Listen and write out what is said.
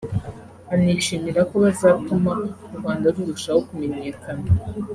anishimira ko bazatuma u Rwanda rurushaho kumenyekana